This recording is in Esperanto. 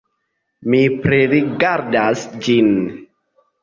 Mi pririgardas ĝin.